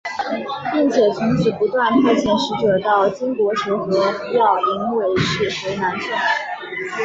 并且从此不断派遣使者到金国求和要迎韦氏回南宋。